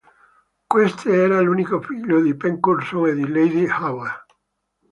Questi era l'unico figlio di Penn Curzon e di lady Howe.